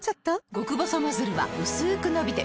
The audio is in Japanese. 極細ノズルはうすく伸びて